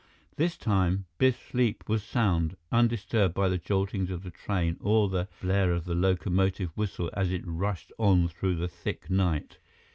This time, Biff's sleep was sound, undisturbed by the joltings of the train or the blare of the locomotive whistle as it rushed on through the thick night.